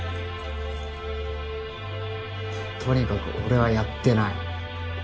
とにかく俺はやってない。